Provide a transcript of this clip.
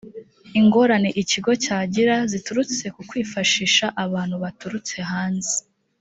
ingorane ikigo cyagira ziturutse ku kwifashisha abantu baturutse hanze